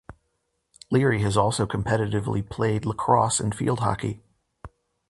Leary has also competitively played lacrosse and field hockey.